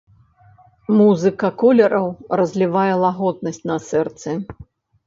Музыка колераў разлівае лагоднасць на сэрцы.